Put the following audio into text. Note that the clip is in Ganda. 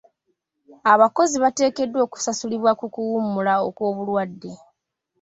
Abakozi bateekeddwa okusasulibwa ku kuwummula okw'obulwadde.